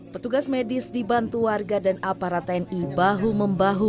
petugas medis dibantu warga dan aparat tni bahu membahu